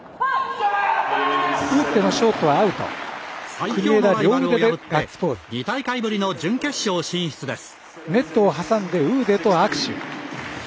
最強のライバルを破って２大会ぶりの準決勝進出です。